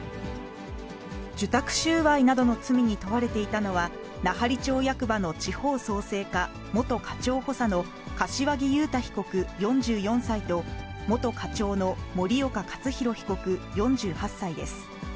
受託収賄などの罪に問われていたのは、奈半利町役場の地方創生課元課長補佐の柏木雄太被告４４歳と、元課長の森岡克博被告４８歳です。